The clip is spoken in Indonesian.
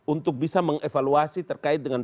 untuk bisa mengevaluasi terkait dengan